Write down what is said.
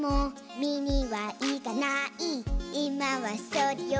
「みにはいかない」「いまはそれより」